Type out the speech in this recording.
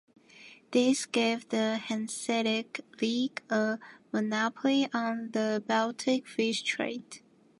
This gave the Hanseatic League a monopoly on the Baltic fish trade.